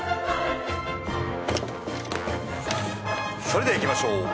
それではいきましょう。